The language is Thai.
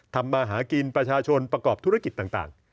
ทำมาหากินประชาชนประกอบธุรกิจต่าง